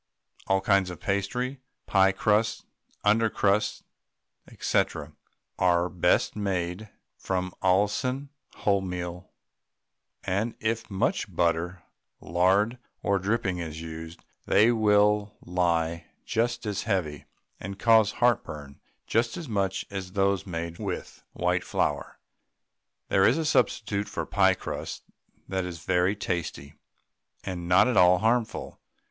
All kinds of pastry, pie crusts, under crusts, &c., are best made from Allinson wholemeal, and if much butter, lard, or dripping is used they will lie just as heavy, and cause heartburn just as much as those made with white flour. There is a substitute for pie crusts that is very tasty, and not at all harmful.